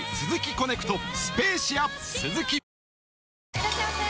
いらっしゃいませ！